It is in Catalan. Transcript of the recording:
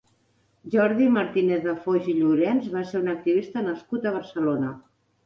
Jordi Martínez de Foix i Llorenç va ser un activista nascut a Barcelona.